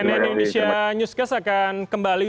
cnn indonesia newscast akan kembali